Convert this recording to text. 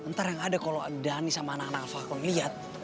ntar yang ada kalo adani sama anak anak fakta lu ngeliat